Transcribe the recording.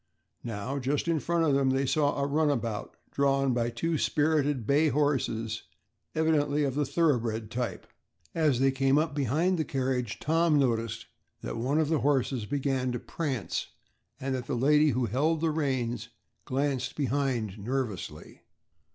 Now just in front of them they saw a runabout, drawn by two spirited bay horses evidently of the thoroughbred type. As they came up behind the carriage, Tom noticed that one of the horses began to prance and that the lady who held the reins glanced behind nervously.